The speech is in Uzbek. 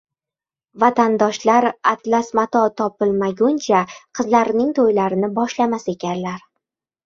vatandoshlar atlas mato topilmaguncha qizlarining to‘ylarini boshlamas ekanlar.